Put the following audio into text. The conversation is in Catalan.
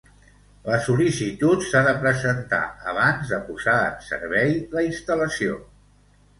La sol·licitud s'ha de presentar abans de posar en servei la instal·lació.